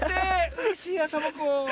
うれしいわサボ子。